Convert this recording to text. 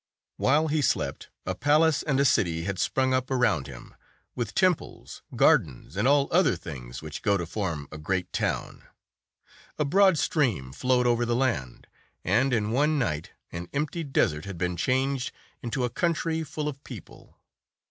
While he slept, a palace and a city had sprung up around him, with temples, gardens, and all other things which go to form a great town. A broad stream flowed over the land; and, in one night, an empty desert had been changed into a country full of people.